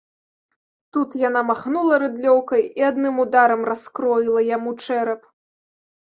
Тут яна махнула рыдлёўкай і адным ударам раскроіла яму чэрап.